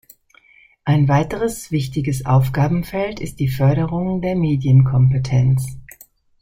Ein weiteres wichtiges Aufgabenfeld ist die Förderung der Medienkompetenz.